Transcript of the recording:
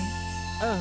うん。